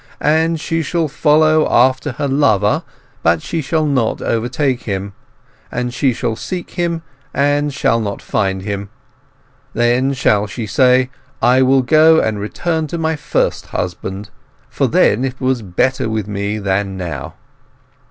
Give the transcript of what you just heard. —'And she shall follow after her lover, but she shall not overtake him; and she shall seek him, but shall not find him; then shall she say, I will go and return to my first husband; for then was it better with me than now!